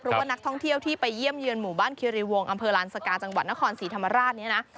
เพราะว่านักท่องเที่ยวที่ไปเยี่ยมเยือนหมู่บ้านคิริวงศ์อำเภอลานสกาจังหวัดนครศรีธรรมราชเนี่ยนะ